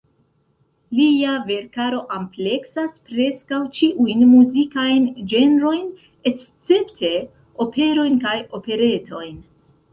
Lia verkaro ampleksas preskaŭ ĉiujn muzikajn ĝenrojn escepte operojn kaj operetojn.